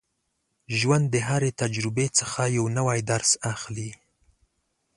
ژوند د هرې تجربې څخه یو نوی درس اخلي.